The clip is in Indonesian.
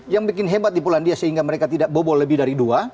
yang bikin hebat di polandia sehingga mereka tidak bobol lebih dari dua